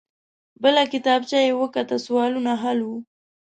بله کتابچه يې وکته. سوالونه حل وو.